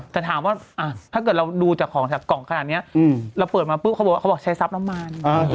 แต่ถามว่าถ้าเกิดเราดูจากของจากกล่องขนาดนี้เราเปิดมาปุ๊บเขาบอกว่าเขาบอกใช้ทรัพย์น้ำมัน